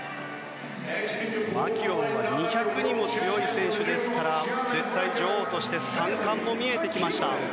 マキュオンは２００にも強い選手ですから絶対女王として３冠も見えてきました。